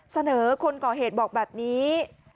เสนอคนก่อเหตุบอกแบบนี้